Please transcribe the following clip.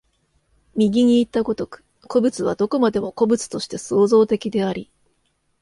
右にいった如く、個物はどこまでも個物として創造的であり、